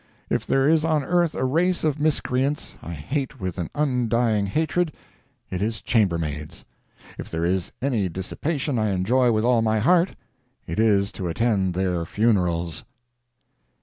If there is on earth a race of miscreants I hate with an undying hatred, it is chambermaids. If there is any dissipation I enjoy with all my heart, it is to attend their funerals.